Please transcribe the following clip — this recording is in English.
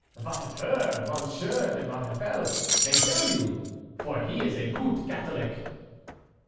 "Vatefer Monsieur de Maurefel may dell you, for he is a goot Gatolic."